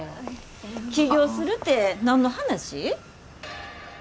起業するて何の話？